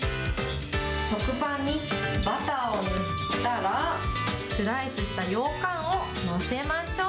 食パンにバターを塗ったら、スライスしたようかんを載せましょう。